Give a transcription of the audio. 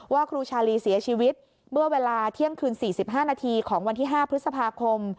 ครูชาลีเสียชีวิตเมื่อเวลาเที่ยงคืน๔๕นาทีของวันที่๕พฤษภาคม